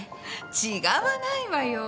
違わないわよ。